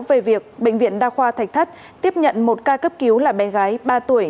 về việc bệnh viện đa khoa thạch thất tiếp nhận một ca cấp cứu là bé gái ba tuổi